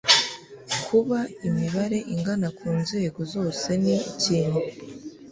Kuba imibare ingana ku nzego zose ni ikintu